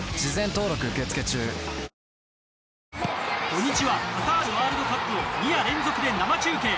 土日はカタールワールドカップを２夜連続で生中継。